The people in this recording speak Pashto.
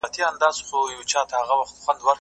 واښه د زهشوم له خوا راوړل کيږي!.